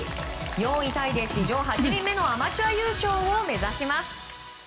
４位タイで史上８人目のアマチュア優勝を目指します。